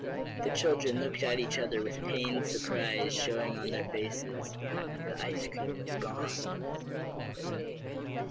The children looked at one another with pained surprise showing on their faces. The ice cream was gone!